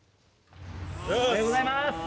おはようございます。